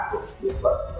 của biển vật